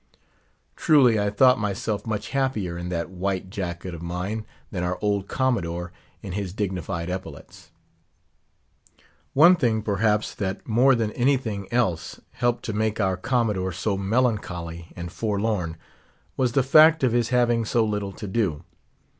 Truly, I thought myself much happier in that white jacket of mine, than our old Commodore in his dignified epaulets. One thing, perhaps, that more than anything else helped to make our Commodore so melancholy and forlorn, was the fact of his having so little to do.